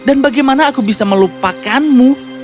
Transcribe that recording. dan bagaimana aku bisa melupakanmu